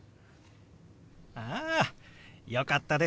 あよかったです。